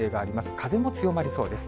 風も強まりそうです。